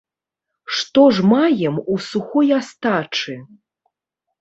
Што ж маем у сухой астачы?